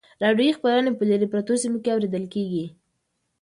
راډیویي خپرونې په لیرې پرتو سیمو کې اورېدل کیږي.